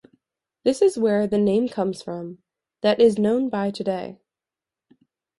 This is where the name comes from that it is known by today.